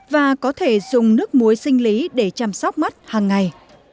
và có thể dùng nước muối sinh lý để chăm sóc mắt hằng ngày